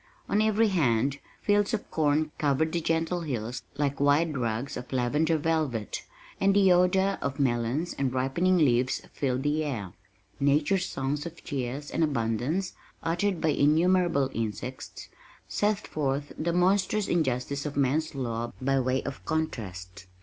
On every hand fields of corn covered the gentle hills like wide rugs of lavender velvet, and the odor of melons and ripening leaves filled the air. Nature's songs of cheer and abundance (uttered by innumerable insects) set forth the monstrous injustice of man's law by way of contrast.